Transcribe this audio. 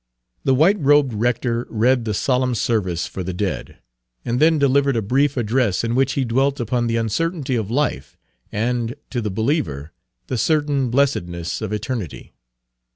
The white robed rector read the solemn service for the dead, and then delivered a brief address, in which he dwelt upon the Page 287 uncertainty of life, and, to the believer, the certain blessedness of eternity.